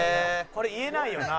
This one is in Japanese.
「これ言えないよな」